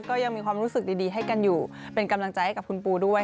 ก็ยังมีความรู้สึกดีให้กันอยู่เป็นกำลังใจให้กับคุณปูด้วย